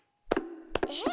えっ？